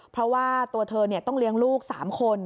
เพราะว่าตัวเธอต้องเลี้ยงลูก๓คน